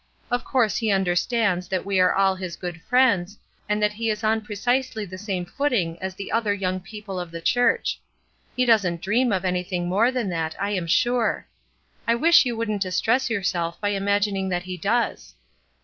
Of course he understands that we are all his good friends, and that he is on precisely the same footing as the other young people of the church. He doesn't dream of anything more than that, I am sure. I wish you wouldn't distress your self by imagining that he does."